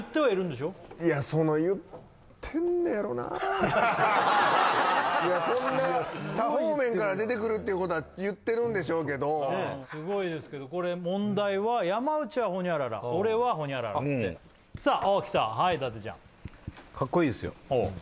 そのいやこんな多方面から出てくるっていうことは言ってるんでしょうけどすごいですけどこれ問題は「山内は○○俺は○○」さあおっきたはい伊達ちゃんカッコいいですよ